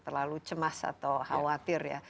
terlalu cemas atau khawatir ya